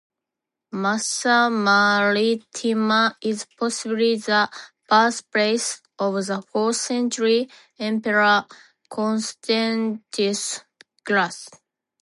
Massa Marittima is possibly the birthplace of the fourth-century emperor Constantius Gallus.